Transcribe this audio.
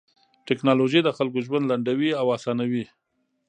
ټکنالوژي د خلکو ژوند لنډوي او اسانوي.